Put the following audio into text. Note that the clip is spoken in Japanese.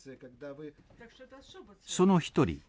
その一人。